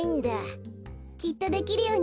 きっとできるようになるわ。